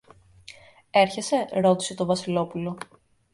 Έρχεσαι; ρώτησε το Βασιλόπουλο.